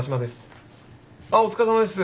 あっお疲れさまです。